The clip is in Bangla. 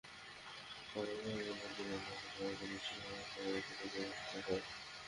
অবশ্যই গোলের দিকে নজর রাখবে, দিন শেষে সমর্থকেরা গোলই দেখতে চায়।